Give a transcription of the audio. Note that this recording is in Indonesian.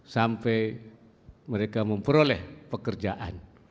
sampai mereka memperoleh pekerjaan